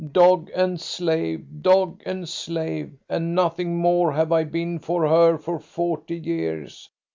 Dog and slave, dog and slave, and nothing more have I been for her for forty years.